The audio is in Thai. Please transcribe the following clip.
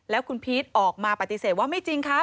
แล้วบ้านของพีทออกมาปฏิเสธว่าไม่จริงครับ